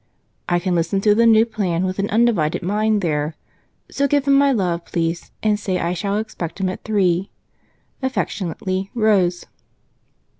I can listen to the new plan with an undivided mind there, so give him my love, please, and say I shall expect him at three. Affectionately, ROSE.